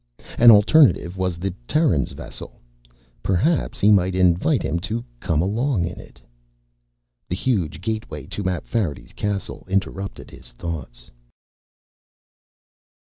An alternative was the Terran's vessel. Perhaps he might invite him to come along in it.... The huge gateway to Mapfarity's castle interrupted his thoughts.